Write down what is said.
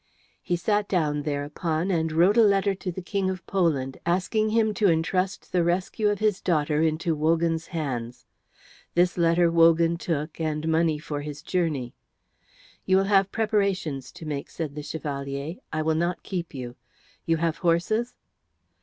He sat down thereupon and wrote a letter to the King of Poland, asking him to entrust the rescue of his daughter into Wogan's hands. This letter Wogan took and money for his journey. "You will have preparations to make," said the Chevalier. "I will not keep you. You have horses?"